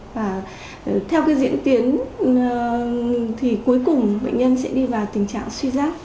và theo diễn tiến thì cuối cùng bệnh nhân sẽ đi vào tình trạng suy giáp